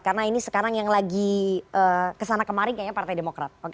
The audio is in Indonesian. karena ini sekarang yang lagi kesana kemarin kayaknya partai demokrat